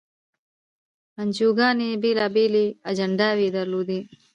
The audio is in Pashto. انجیوګانې بېلابېلې اجنډاوې یې درلودې.